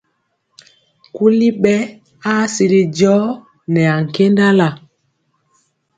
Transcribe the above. Kuli ɓɛ aa sili jɔɔ nɛ ankendala.